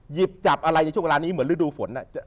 หยิบจับอะไรในช่วงเวลานี้เหมือนฤดูฝน